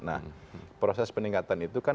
nah proses peningkatan itu kan